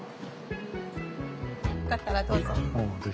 よかったらどうぞ。